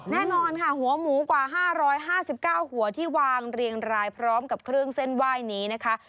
แน่นอนค่ะหัวหมูกว่า๕๕๙หัวที่วางเรียงรายพร้อมกับเครื่องเส้นไหว้นี้นะคะ